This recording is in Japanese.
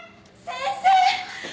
先生！